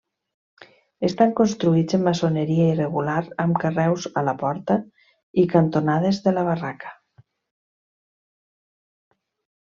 Estan construïts en maçoneria irregular amb carreus a la porta i cantonades de la barraca.